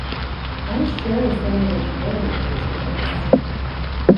I'm sure Senator Kerry agrees with this.